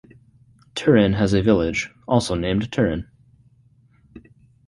Turin has a village, also named Turin.